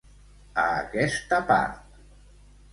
A aquesta part.